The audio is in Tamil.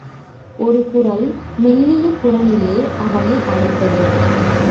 ஒரு குரல் மல்லிய குரலிலே அவனை அழைத்தது.